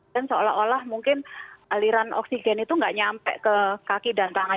dan seolah olah mungkin aliran oksigen itu gak nyampe ke kaki dan tangan